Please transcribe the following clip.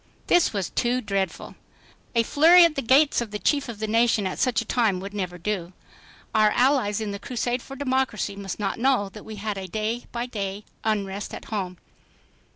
This was too dreadful. A flurry at the gates of the Chief of the nation at such a time would never do. Our allies in the crusade for democracy must not know that we had a day by day unrest at home.